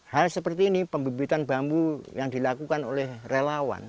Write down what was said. hal seperti ini pembebitan bambu yang dilakukan oleh relawan